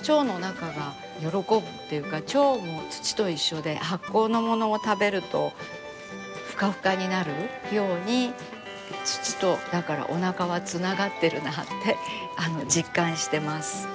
腸の中が喜ぶっていうか腸も土と一緒で発酵のものを食べるとふかふかになるように土とだからおなかはつながってるなあって実感してます。